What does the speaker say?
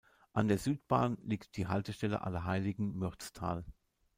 An der Südbahn liegt die Haltestelle Allerheiligen-Mürztal.